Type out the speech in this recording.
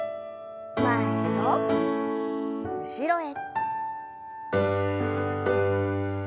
前と後ろへ。